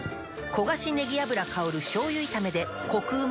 焦がしねぎ油香る醤油炒めでコクうま